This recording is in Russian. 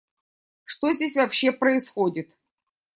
Что здесь вообще происходит?